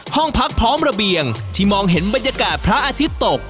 ห้องพักพร้อมระเบียงที่มองเห็นบรรยากาศพระอาทิตย์ตก